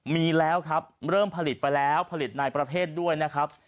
มีแล้วครับเริ่มผลิตไปแล้วผลิตในประเทศด้วยนะครับ